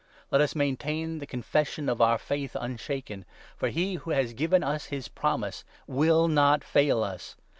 Let us maintain the confession of our hope un 23 shaken, for he who has given us his promise will not fail us.